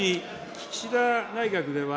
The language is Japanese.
岸田内閣では、